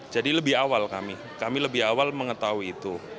jadi lebih awal kami kami lebih awal mengetahui itu